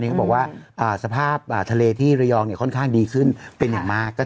เค้าบอกว่าหมีตายนะใช่มะตกน้ำเนอะ